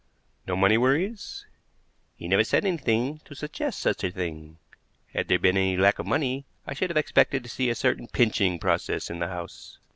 "No money worries?" "He never said anything to suggest such a thing. Had there been any lack of money, I should have expected to see a certain pinching process in the house."